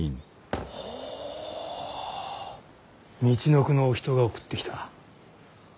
みちのくのお人が送ってきた。